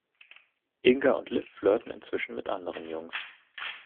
Inga und Liv flirten inzwischen mit anderen Jungs.